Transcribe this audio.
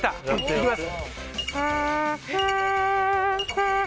いきます。